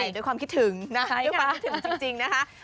ด้วยความคิดถึงนะด้วยความคิดถึงจริงนะคะ